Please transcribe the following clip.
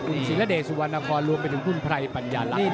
คุณศิรเดชสุวรรณครรวมไปถึงคุณไพรปัญญาลักษณ์